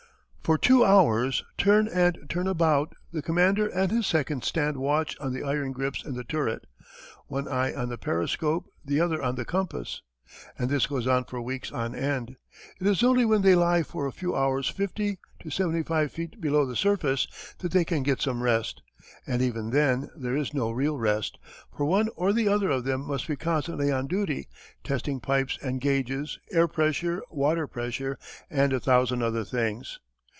For two hours, turn and turn about, the commander and his second stand watch on the iron grips in the turret, one eye on the periscope, the other on the compass. And this goes on for weeks on end. It is only when they lie for a few hours fifty to seventy five feet below the surface that they can get some rest. And even then there is no real rest, for one or the other of them must be constantly on duty, testing pipes and gauges, air pressure, water pressure, and a thousand other things.